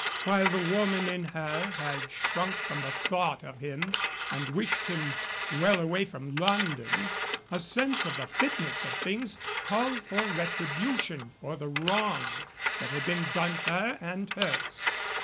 While the woman in her had shrunk from the thought of him and wished him well away from London, a sense of the fitness of things called for retribution for the wrong that had been done her and hers.